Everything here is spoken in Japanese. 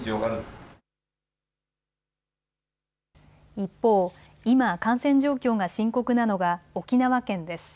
一方、今、感染状況が深刻なのが沖縄県です。